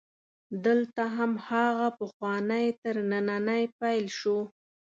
دلته هم هماغه پخوانی ترننی پیل شو.